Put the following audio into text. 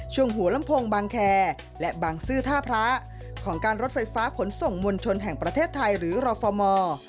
หัวลำโพงบางแคและบางซื่อท่าพระของการรถไฟฟ้าขนส่งมวลชนแห่งประเทศไทยหรือรฟมอร์